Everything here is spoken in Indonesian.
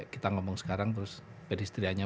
kita ngomong sekarang terus pedestrianya